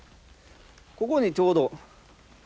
ここにちょうど。